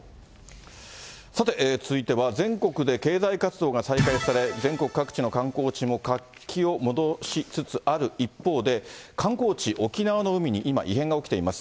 さて、続いては全国で経済活動が再開され、全国各地の観光地も活気を戻しつつある一方で、観光地、沖縄の海に今、異変が起きています。